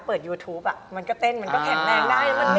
ยูทูปมันก็เต้นมันก็แข็งแรงได้